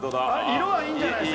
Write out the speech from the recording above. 色はいいんじゃないですか。